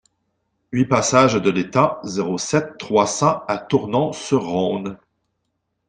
huit passage de l'Étang, zéro sept, trois cents à Tournon-sur-Rhône